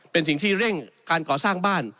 เป็นสิ่งที่เร่งการก่อสร้างบ้าน